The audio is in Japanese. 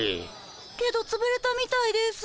けどつぶれたみたいです。